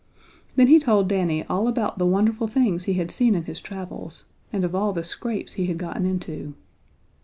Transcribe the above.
Then he told Danny all about the wonderful things he had seen in his travels, and of all the scrapes he had gotten into.